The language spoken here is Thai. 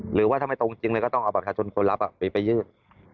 หรือว่าถ้าไม่ตรงจริงเลยก็ต้องเอาบัตรประชาชนคนรับไปยืด